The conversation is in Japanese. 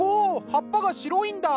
葉っぱが白いんだ。